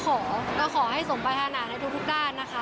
ขอก็ขอให้สมปรารถนาในทุกด้านนะคะ